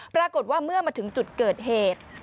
ปรากฏว่าเมื่อมาถึงจุดเกิดเหตุ